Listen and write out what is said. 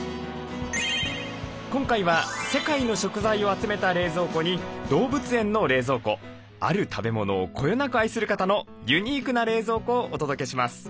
今回は世界の食材を集めた冷蔵庫に動物園の冷蔵庫ある食べ物をこよなく愛する方のユニークな冷蔵庫をお届けします。